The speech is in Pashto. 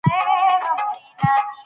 اوس چي د چا نرۍ